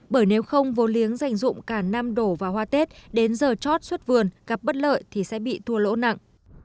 bởi nếu không vô liếng dành dụng cả năm đổ vào hoa tết đến giờ chót xuất vườn gặp bất lợi thì sẽ bị thua lỗ nặng